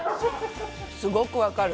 すごくわかる。